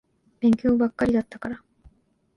勉強ばっかりだったから。